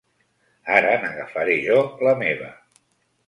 Ara n'agafaré jo la meva.